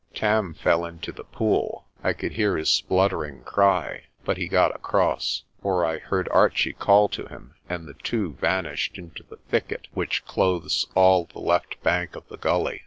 Tarn fell into the pool I could hear his spluttering cry but he got across 5 for I heard Archie call to him, and the two vanished into the thicket which clothes all the left bank of the gully.